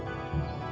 kok gak lapar